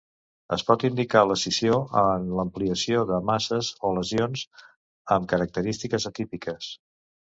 Es pot indicar l'escissió en l'ampliació de masses o lesions amb característiques atípiques.